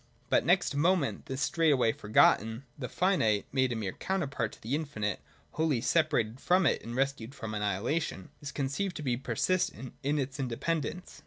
But next moment this is straightway forgotten ; the finite, made a mere counterpart to the infinite, wholly separated from it, and rescued from annihilation, is con ceived to be persistent in its independence.